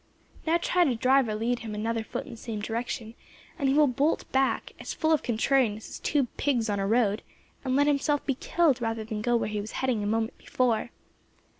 Now try to drive or lead him another foot in the same direction, and he will bolt back, as full of contrariness as two pigs on a road, and let himself be killed rather than go where he was heading a moment before.